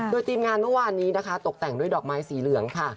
โดยทีมงานเมื่อวานนี้นะคะตกแต่งด้วยดอกไม้สีเหลืองค่ะ